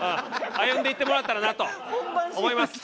歩んでいってもらったらなと思います。